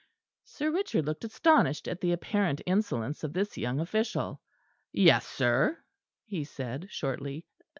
Sir Richard looked astonished at the apparent insolence of this young official. "Yes, sir," he said shortly.